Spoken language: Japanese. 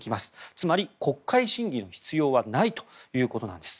つまり国会審議の必要はないということなんです。